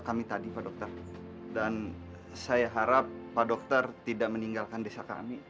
kami tadi pak dokter dan saya harap pak dokter tidak meninggalkan desa kami